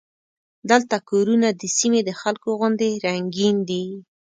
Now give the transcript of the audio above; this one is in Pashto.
دلته کورونه د سیمې د خلکو غوندې رنګین دي.